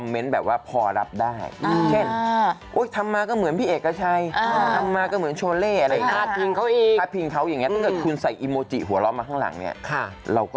เพราะนี้หวังดีกับคุณนะ